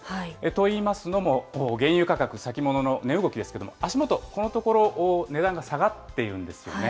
といいますのも、原油価格、先物の値動きですけれども、足元、このところ値段が下がっているんですよね。